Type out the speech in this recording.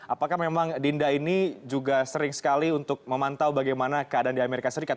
apakah memang dinda ini juga sering sekali untuk memantau bagaimana keadaan di amerika serikat